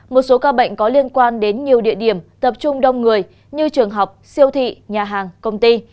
một số ca bệnh có liên quan đến nhiều địa điểm tập trung đông người như trường học siêu thị nhà hàng công ty